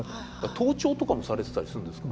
盗聴とかもされてたりするんですか？